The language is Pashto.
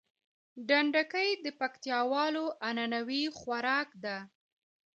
ډنډکی د پکتياوالو عنعنوي خوارک ده